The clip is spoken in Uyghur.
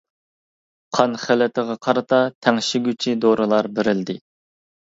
قان خىلىتىغا قارىتا تەڭشىگۈچى دورىلار بېرىلدى.